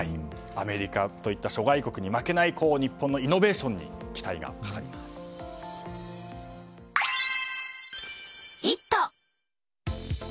アメリカといった諸外国に負けない日本のイノベーションに期待がかかりますね。